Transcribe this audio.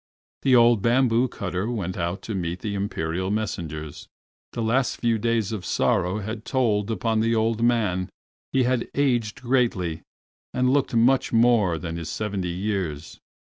The old bamboo cutter went out to meet the Imperial messengers. The last few days of sorrow had told upon the old man; he had aged greatly, and looked much more than his seventy years.